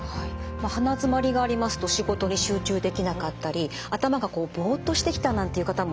鼻づまりがありますと仕事に集中できなかったり頭がこうぼっとしてきたなんていう方もいますよね。